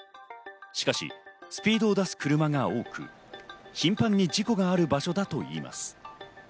しかしスピードを出す車が多く、頻繁に事故がある場所だといいます。